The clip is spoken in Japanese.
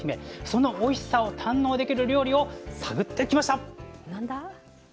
そのおいしさを堪能できる料理を探ってきました。